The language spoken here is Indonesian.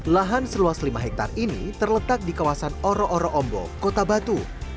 lahan seluas lima hektare ini terletak di kawasan oro oro ombok kota batu